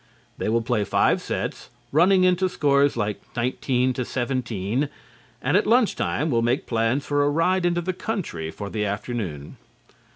They will play five sets, running into scores like 19 17, and at lunch time will make plans for a ride into the country for the afternoon.